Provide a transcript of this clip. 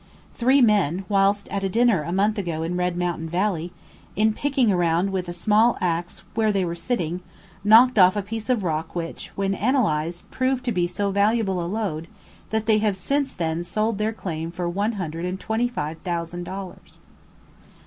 Three men, whilst at dinner a month ago in Red Mountain Valley, in picking round with a small axe where they were sitting, knocked off a piece of rock which, when analysed, proved to be so valuable a lode, that they have since then sold their claim for 125,000 dollars.